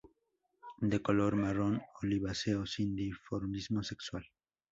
De color marrón oliváceo, sin dimorfismo sexual.